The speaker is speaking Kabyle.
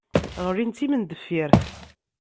Ɣlin d timendeffirt.